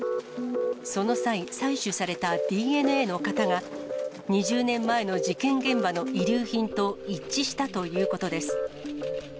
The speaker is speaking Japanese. その際、採取されたＤＮＡの型が、２０年前の事件現場の遺留品と一致したということです。